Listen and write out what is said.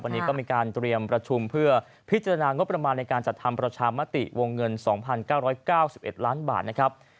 วันนี้ก็มีการเตรียมประชุมเพื่อพิจารณางบประมาณในการจัดทำประชามาติวงเงินสองพันเก้าร้อยเก้าสิบเอ็ดล้านบาทนะครับ